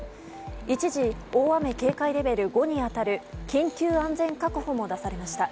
一時、大雨警戒レベル５に当たる緊急安全確保も出されました。